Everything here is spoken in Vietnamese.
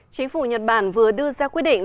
chính phủ nhật bản vừa đưa ra quyết định